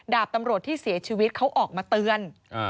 ดาบตำรวจที่เสียชีวิตเขาออกมาเตือน